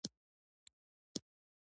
دا توکي ارزانه او باکیفیته دي.